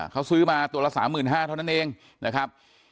เขาซื้อมาตัวละ๓๕๐๐เท่านั้นเองนะครับ